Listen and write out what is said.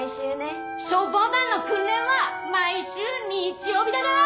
消防団の訓練は毎週日曜日だから！